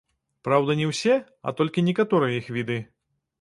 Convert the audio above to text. Праўда, не ўсе, а толькі некаторыя іх віды.